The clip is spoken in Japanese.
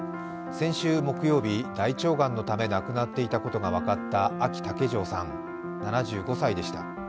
先週木曜日、大腸がんのため亡くなっていたことが分かったあき竹城さん、７５歳でした。